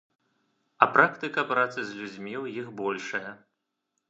А практыка працы з людзьмі ў іх большая.